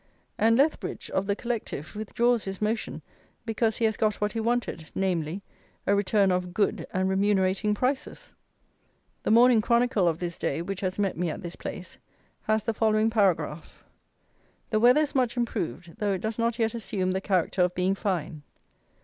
And Lethbridge, of the Collective, withdraws his motion because he has got what he wanted: namely, a return of good and "remunerating prices!" The Morning Chronicle of this day, which has met me at this place, has the following paragraph. "The weather is much improved, though it does not yet assume the character of being fine.